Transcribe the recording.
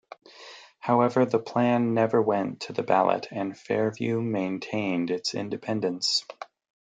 However, the plan never went to the ballot and Fairview maintained its independence.